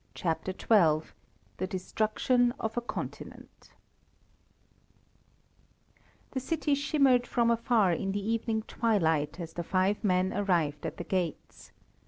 CHAPTER XII THE DESTRUCTION OF A CONTINENT The city shimmered from afar in the evening twilight as the five men arrived at the gates.